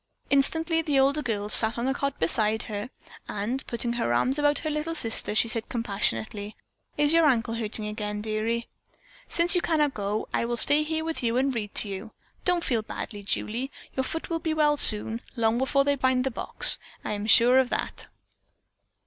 Instantly the older girl sat on the cot beside her, and, putting her arms about her little sister, she said compassionately: "Is your ankle hurting again, dearie? Since you cannot go, I will stay here with you and read to you. Don't feel badly, Julie. Your foot will soon be well; long before they find the box, I am sure of that."